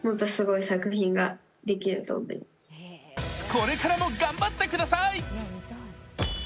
これからも頑張ってください！